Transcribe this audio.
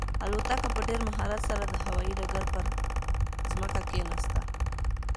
الوتکه په ډېر مهارت سره د هوايي ډګر پر ځمکه کښېناسته.